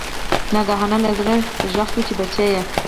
ناګهانه له زړه غږ شو چې بچیه!